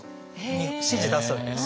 指示出すわけですよ。